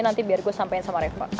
nanti biar gue sampein sama reva